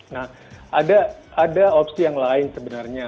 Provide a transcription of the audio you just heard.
nah ada opsi yang lain sebenarnya